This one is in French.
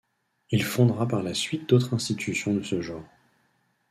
Il fondera par la suite d'autres institutions de ce genre.